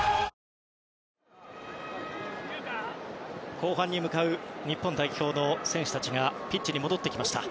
後半に向かう日本代表の選手たちがピッチに戻ってきました。